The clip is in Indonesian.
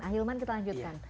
ah yulman kita lanjutkan